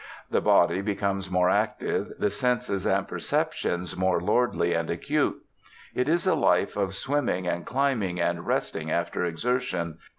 The body becomes more active, the senses and perceptions more lordly and acute. It is a life of swimming and climbing and resting after exertion.